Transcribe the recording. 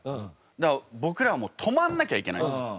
だから僕らもう止まんなきゃいけないんです。